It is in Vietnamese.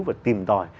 và tìm tòi